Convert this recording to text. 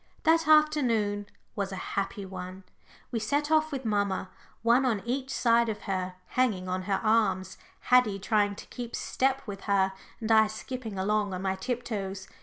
That afternoon was such a happy one. We set off with mamma, one on each side of her, hanging on her arms, Haddie trying to keep step with her, and I skipping along on my tiptoes.